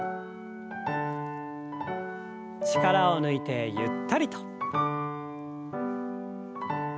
力を抜いてゆったりと。